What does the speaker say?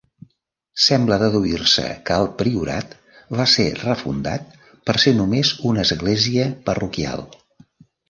Sembla deduir-se que el priorat va ser refundat per ser només una església parroquial.